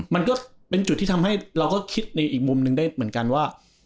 มันก็เป็นจุดที่ทำให้เราก็คิดในอีกมุมหนึ่งได้เหมือนกันว่า